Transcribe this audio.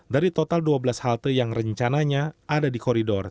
dari total dua belas halte yang rencananya ada di koridor